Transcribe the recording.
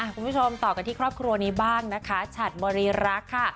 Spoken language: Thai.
คุณผู้ชมต่อกันที่ครอบครัวนี้บ้างนะคะฉัดบริรักษ์ค่ะ